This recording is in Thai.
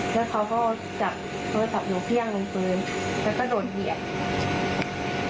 แล้วเขาก็จับอยู่เผี้ยงลงคืนแล้วก็โดนเหยียบ